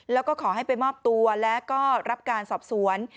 แล้วก็ขอให้ไปมอบตัวแล้วก็รับการสอบสวน